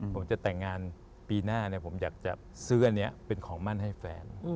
ผมจะแต่งงานปีหน้าผมอยากจะซื้ออันนี้เป็นของมั่นให้แฟน